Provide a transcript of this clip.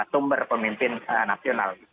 sumber pemimpin nasional